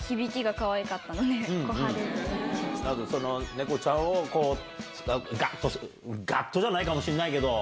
猫ちゃんをガッとするガッとじゃないかもしれないけど。